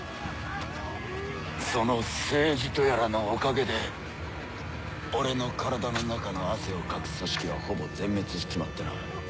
その政治とやらのおかげで俺の体の中の汗をかく組織はほぼ全滅しちまってな。